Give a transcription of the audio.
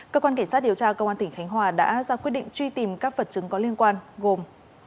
cơ quan cảnh sát điều tra công an tỉnh khánh hòa đã ra quyết định truy tìm các vật chứng có liên quan gồm